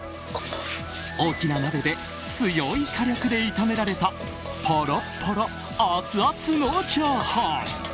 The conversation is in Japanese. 大きな鍋で強い火力で炒められたパラッパラアツアツのチャーハン。